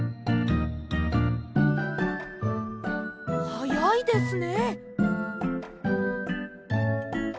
はやいですね。